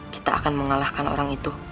kita akan mengalahkan orang itu